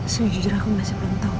sejujurnya aku masih penuh